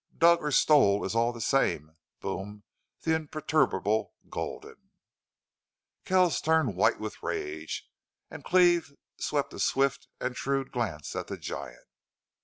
"Dug or stole is all the same!" boomed the imperturbable Gulden. Kells turned white with rage, and Cleve swept a swift and shrewd glance at the giant.